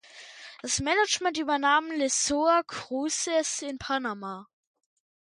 Das Management übernahm Leisure Cruises in Panama.